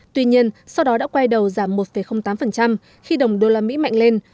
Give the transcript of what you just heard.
tuy nhiên sau đó đã quay đầu giảm một tám khi đồng usd mạnh lên